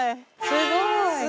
すごい！